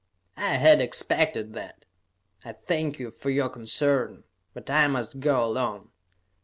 "I had expected that. I thank you for your concern, but I must go alone.